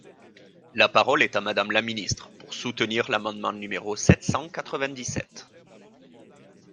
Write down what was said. La parole est à Madame la ministre, pour soutenir l’amendement numéro sept cent quatre-vingt-dix-sept.